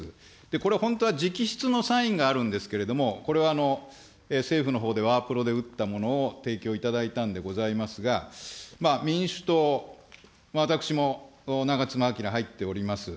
これ、本当は直筆のサインがあるんですけれども、これは政府のほうでワープロで打ったものを提供いただいたんでございますが、民主党、私も長妻昭、入っております。